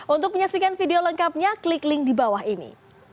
untuk menyaksikan video lengkapnya klik link di bawah ini